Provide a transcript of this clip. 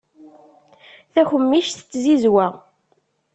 Takemmict n tzizwa.